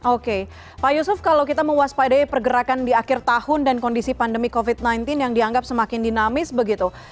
oke pak yusuf kalau kita mewaspadai pergerakan di akhir tahun dan kondisi pandemi covid sembilan belas yang dianggap semakin dinamis begitu